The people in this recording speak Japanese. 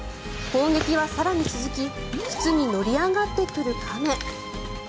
攻撃は更に続き靴に乗り上がってくる亀。